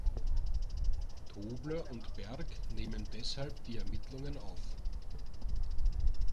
Tobler und Berg nehmen deshalb die Ermittlungen auf.